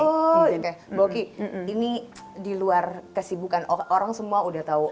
oke bu oki ini di luar kesibukan orang semua udah tahu